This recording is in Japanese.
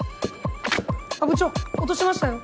あっ部長落としましたよ。